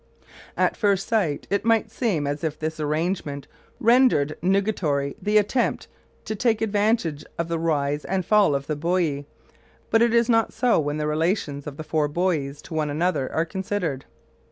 At first sight it might seem as if this arrangement rendered nugatory the attempt to take advantage of the rise and fall of the buoy; but it is not so when the relations of the four buoys to one another are considered.